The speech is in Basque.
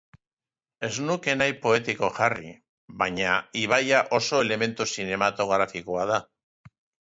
Ez nuke nahi poetiko jarri, baina ibaia oso elementu zinematografikoa da.